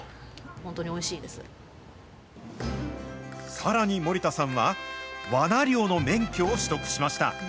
さらに森田さんは、わな猟の免許を取得しました。